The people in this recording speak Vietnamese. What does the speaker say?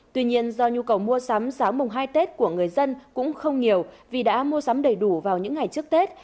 tuy nhiên do nhu cầu mua sắm sáng mùng hai tết của người dân cũng không nhiều vì đã mua sắm đầy đủ vào những ngày trước tết